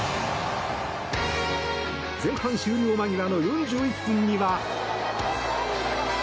前半終了間際の４１分には。